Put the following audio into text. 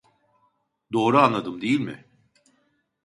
Doğru anladım değil mi